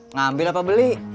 ngambil apa beli